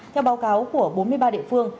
theo báo cáo của bốn mươi ba địa phương